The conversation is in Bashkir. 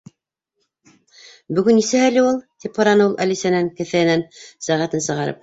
—Бөгөн нисәһе әле ул? —тип һораны ул Әлисәнән, кеҫәһенән сәғәтен сығарып.